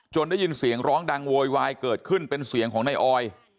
ได้ยินเสียงร้องดังโวยวายเกิดขึ้นเป็นเสียงของนายออย